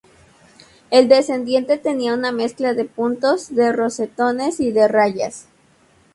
El descendiente tenía una mezcla de puntos, de rosetones y de rayas.